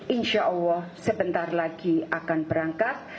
insya allah sebentar lagi akan berangkat